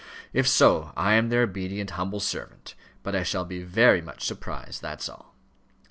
If so, I am their obedient humble servant; but I shall be very much surprised, that's all."